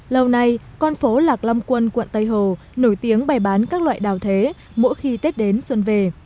lâu nay con phố lạc long quân quận tây hồ nổi tiếng bày bán các loại đào thế mỗi khi tết đến xuân về